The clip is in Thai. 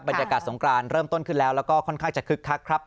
บรรยากาศสงกรานเริ่มต้นขึ้นแล้วแล้วก็ค่อนข้างจะคึกคักครับ